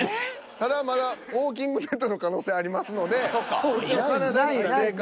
ただまだ「ウォーキング・デッド」の可能性ありますので金田に正解を。